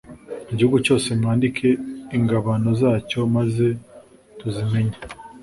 Igihugu cyose mwandike ingabano zacyo maze tuzimenye